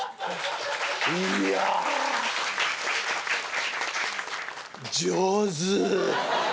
いや上手！